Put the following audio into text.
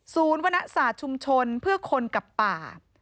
วรรณศาสตร์ชุมชนเพื่อคนกับป่า